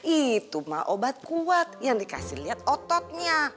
itu mah obat kuat yang dikasih lihat ototnya